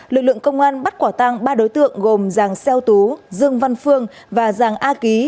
lực lượng công an bắt quả tăng ba đối tượng gồm giàng xeo tú dương văn phương và giàng a ký